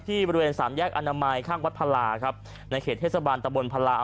บริเวณสามแยกอนามัยข้างวัดพลาครับในเขตเทศบาลตะบนพลา